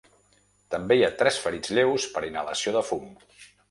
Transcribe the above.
També hi ha tres ferits lleus per inhalació de fum.